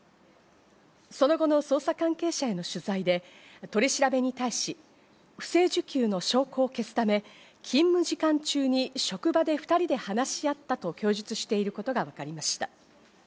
その後の捜査関係者への取材で取り調べに対し、不正受給の証拠を消すため、勤務時間中に職場で２人で話し合ったと供述していることがわかりました。